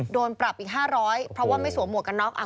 โดนปรับอีก๕๐๐เพราะว่าไม่สั่วหมวกกันเนาะ